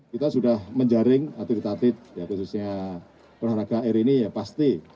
kita sudah menjaring atlet atlet ya khususnya olahraga air ini ya pasti